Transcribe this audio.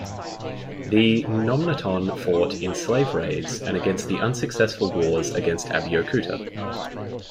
The N'Nonmiton fought in slave raids, and in the unsuccessful wars against Abeokuta.